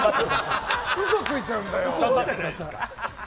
嘘ついちゃうんだよ。